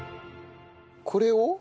これを？